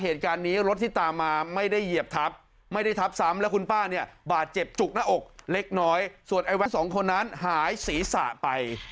เหตุการณ์นี้รถที่ตามมาไม่ได้เหยียบทับไม่ได้ทับซ้ำแล้วคุณป้าเนี่ยบาดเจ็บจุกหน้าอกเล็กน้อยส่วนไอ้แวดสองคนนั้นหายศีรษะไป